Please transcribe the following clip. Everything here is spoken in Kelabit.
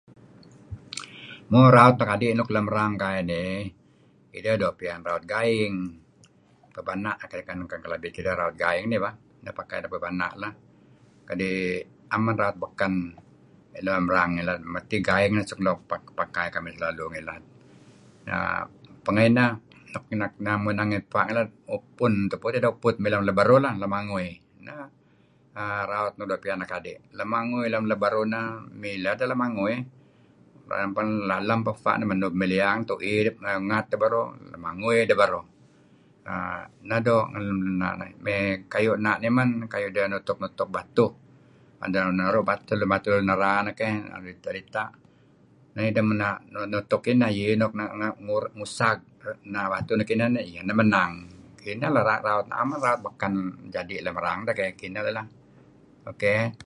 Mo raut anak adi luk lem rang kai dih ideh doo' piyan raut gaing pepana' ken Kelabit, idah raut gaing neh bah inah pakai deh pepana'. kadi' am men raut beken lem rang ngilad deh kadi' gaing suk pakai kamih... pengah inah mey nangey fa' dih nangey tupu deh uput mey lem leberuh leh lamangui , neh raut luk doo' piyan anak adi'. Lemangui lem leberuh neh, mileh deh lemangui. Lalem peh fa' nah menub mey liyang ungat neh beruh lemangui deh beruh. err neh doo' ngan. [unintelligible] Mey kayu' men nutuk-nutuk batuh. Tu'en deh naru' batuh luun renera' neh keh tu'en dita'dita' mey idah nutuk inah. Yea nuk nesag batuh nuk inah iyah neh menang. Inah lah raut, na'em raut beken jadi' lem erang deh kinah deh lah. Okey.